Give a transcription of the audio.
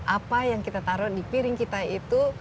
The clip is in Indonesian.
apa yang kita taruh di piring kita itu